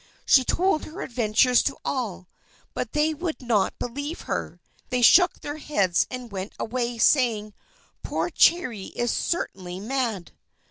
She told her adventures to all, but they would not believe her. They shook their heads and went away, saying: "Poor Cherry is certainly mad!"